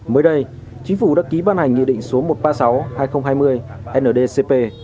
mới đây chính phủ đã ký ban hành nghị định số một trăm ba mươi sáu hai nghìn hai mươi ndcp